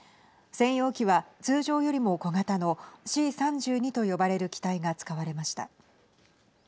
専用機は通常よりも小型のＣ３２と呼ばれる機体が使われました。